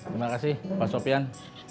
terima kasih pak sofyan